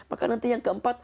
maka nanti yang keempatnya